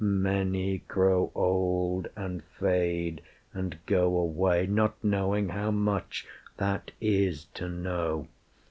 Many grow old, And fade, and go away, not knowing how much That is to know.